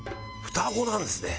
「双子なんですね。